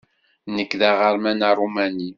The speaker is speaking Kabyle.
Nekk d aɣerman aṛumani.